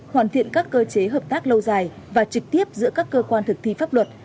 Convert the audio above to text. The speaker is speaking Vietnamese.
hoàn thiện các cơ chế hợp tác lâu dài và trực tiếp giữa các cơ quan thực thi pháp luật